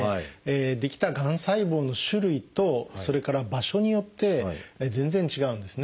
出来たがん細胞の種類とそれから場所によって全然違うんですね。